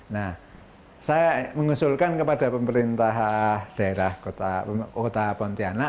nah saya mengusulkan kepada pemerintah daerah kota pontianak